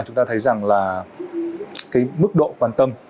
chúng ta thấy rằng là mức độ quan tâm